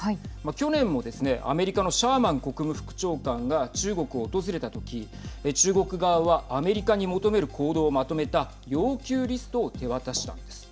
去年もですね、アメリカのシャーマン国務副長官が中国を訪れたときに中国側はアメリカに求める行動をまとめた要求リストを手渡したんです。